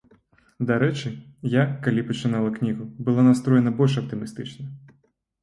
Дарэчы, я, калі пачынала кнігу, была настроеная больш аптымістычна.